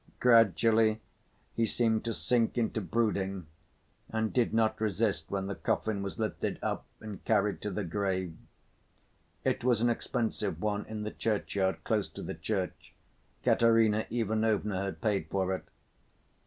Gradually he seemed to sink into brooding and did not resist when the coffin was lifted up and carried to the grave. It was an expensive one in the churchyard close to the church, Katerina Ivanovna had paid for it.